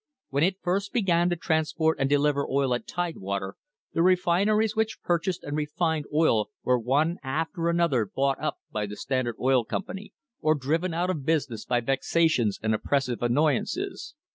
When it first began to transport and deliver oil at tidewater, the refiner ies which purchased and refined oil were one after another bought up by the Standard Oil Company or driven out of business by vexatious and oppressive annoyances.